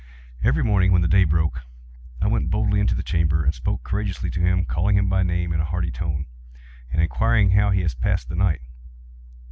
And every morning, when the day broke, I went boldly into the chamber, and spoke courageously to him, calling him by name in a hearty tone, and inquiring how he has passed the night.